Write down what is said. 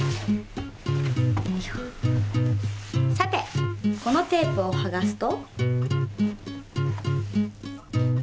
さてこのテープをはがすと。